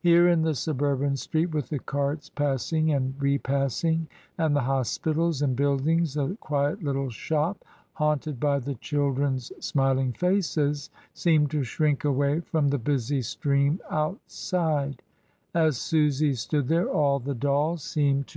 Here in the suburban street, with the carts passing and repassing, and the hospitals and buildings, the quiet little shop haunted by the children's smiling faces seemed to shrink away from the busy stream outside; as Susy stood there all the dolls seemed to l'envoi.